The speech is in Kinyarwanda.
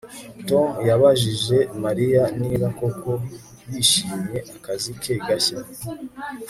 Tom yabajije Mariya niba koko yishimiye akazi ke gashya